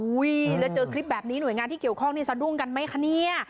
แล้วเจอคลิปแบบนี้หน่วยงานที่เกี่ยวข้องนี่สะดุ้งกันไหมคะเนี่ย